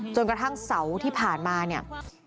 กระทั่งเสาร์ที่ผ่านมาเนี่ย